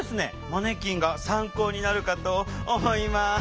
マネキンが参考になるかと思います！？